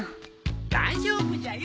大丈夫じゃよ